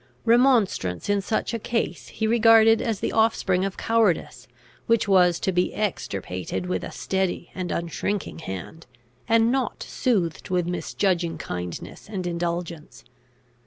Remonstrance in such a case he regarded as the offspring of cowardice, which was to be extirpated with a steady and unshrinking hand, and not soothed with misjudging kindness and indulgence.